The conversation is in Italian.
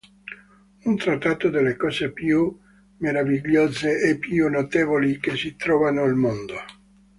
Un trattato delle cose più meravigliose e più notevoli che si trovano al mondo.